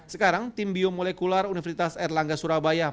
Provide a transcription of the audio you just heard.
sekarang tim biomolekular universitas erlangga surabaya